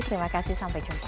terima kasih sampai jumpa